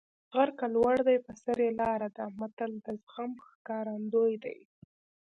غر که لوړ دی په سر یې لاره ده متل د زغم ښکارندوی دی